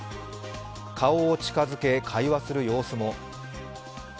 顔を近づけ、会話する様子も。